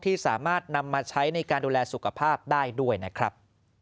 ที่สามารถนำมาใช้ในการดูแลสุขภาพได้ด้วยนะครับ